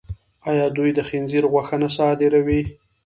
آیا دوی د خنزیر غوښه نه صادروي؟